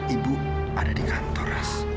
ibu ada di kantor